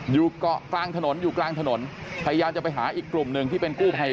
อยู่เกาะกลางถนนอยู่กลางถนนพยายามจะไปหาอีกกลุ่มหนึ่งที่เป็นกู้ภัย